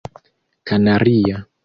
kanaria